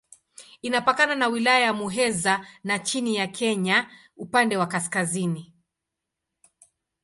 Inapakana na Wilaya ya Muheza na nchi ya Kenya upande wa kaskazini.